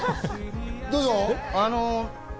どうぞ。